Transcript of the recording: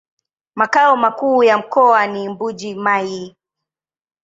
Makao makuu ya mkoa ni Mbuji-Mayi.